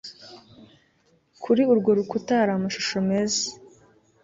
Kuri urwo rukuta hari amashusho meza